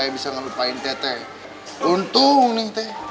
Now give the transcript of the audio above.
dan semua aku adalah suri